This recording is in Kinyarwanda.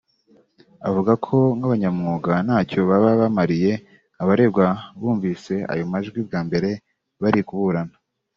avuga ko nk’abanyamwuga ntacyo baba bamariye abaregwa bumvise ayo majwi bwa mbere bari kuburana